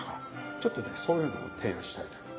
ちょっとねそういうのを提案したいなと。